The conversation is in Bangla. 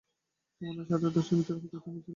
তোমরা না ষাটের দশকে জনপ্রিয়তার তুঙ্গে ছিলে?